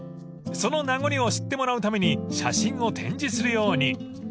［その名残を知ってもらうために写真を展示するように］